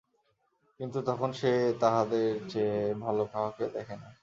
কিন্তু তখন সে তাহাদের চেয়ে ভালো কাহাকেও দেখে নাই।